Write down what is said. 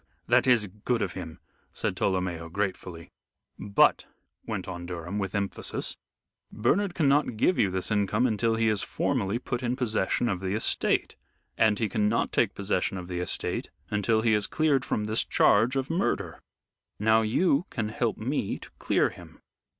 That is good of him," said Tolomeo, gratefully. "But," went on Durham, with emphasis, "Bernard cannot give you this income until he is formally put in possession of the estate; and he cannot take possession of the estate until he is cleared from this charge of murder. Now you can help me to clear him."